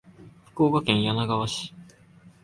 福岡県柳川市